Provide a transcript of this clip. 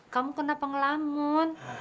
kamu kenapa ngelamun